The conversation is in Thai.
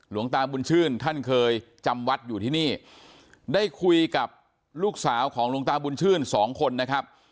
หลวงตาบุญชื่นท่านเคยจำวัดอยู่ที่นี่ได้คุยกับลูกสาวของหลวงตาบุญชื่นสองคนนะครับ